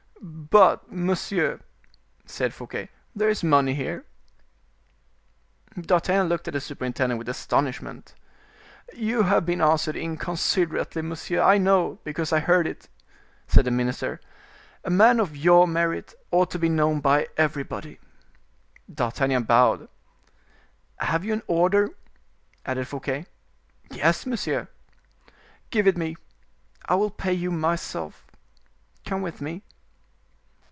"But, monsieur," said Fouquet, "there is money here." D'Artagnan looked at the superintendent with astonishment. "You have been answered inconsiderately, monsieur, I know, because I heard it," said the minister; "a man of your merit ought to be known by everybody." D'Artagnan bowed. "Have you an order?" added Fouquet. "Yes, monsieur." "Give it me, I will pay you myself; come with me."